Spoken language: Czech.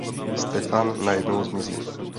Stefan najednou zmizí.